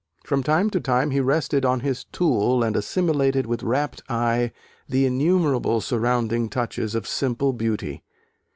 From time to time he rested on his tool and assimilated with rapt eye the innumerable surrounding touches of simple beauty.